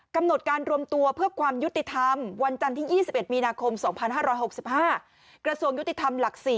กำหนดการรวมตัวเพื่อความยุติธรรมวันจันทร์ที่๒๑มีนาคม๒๕๖๕กระทรวงยุติธรรมหลัก๔